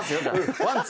ワンツー！